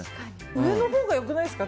上のほうがよくないですか？